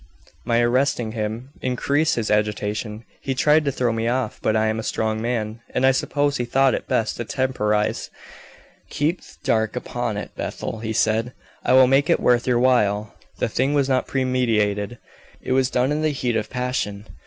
My arresting him increased his agitation; he tried to throw me off, but I am a strong man, and I suppose he thought it best to temporize. 'Keep dark upon it, Bethel,' he said, 'I will make it worth your while. The thing was not premeditated; it was done in the heat of passion.